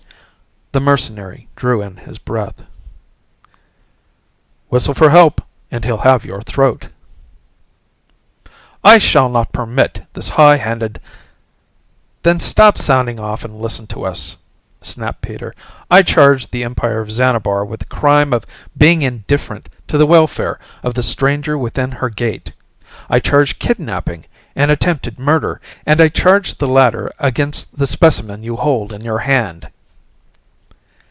The mercenary drew in his breath. "Whistle for help and he'll have your throat." "I shall not permit this high handed " "Then stop sounding off and listen to us!" snapped Peter. "I charge the Empire of Xanabar with the crime of being indifferent to the welfare of the stranger within her gate. I charge kidnaping and attempted murder, and I charge the latter against the specimen you hold in your hand."